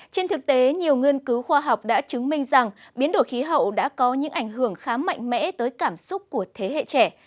trên thực tế nhiều nghiên cứu khoa học đã chứng minh rằng biến đổi khí hậu đã có những ảnh hưởng khá mạnh mẽ tới cảm xúc của thế hệ trẻ